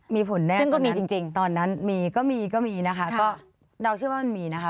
มีผลแน่ตอนนั้นตอนนั้นมีก็มีก็มีนะคะก็เราเชื่อว่ามันมีนะคะ